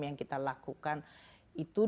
yang kita lakukan itu